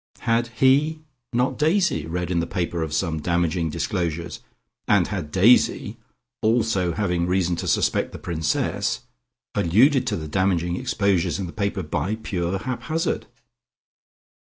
Had he, not Daisy, read in the paper of some damaging disclosures, and had Daisy (also having reason to suspect the Princess) alluded to the damaging exposures in the paper by pure hap hazard?